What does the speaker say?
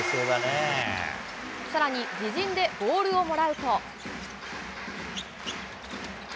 さらに自陣でボールをもらうと。